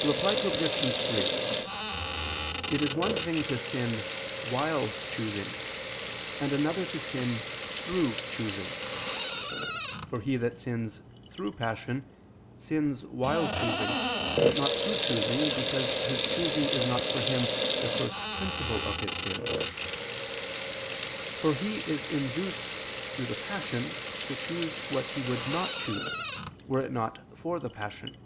Reply Obj. 3: It is one thing to sin while choosing, and another to sin through choosing. For he that sins through passion, sins while choosing, but not through choosing, because his choosing is not for him the first principle of his sin; for he is induced through the passion, to choose what he would not choose, were it not for the passion.